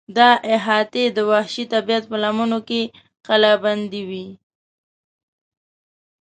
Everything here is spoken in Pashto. دا احاطې د وحشي طبیعت په لمنو کې کلابندې وې.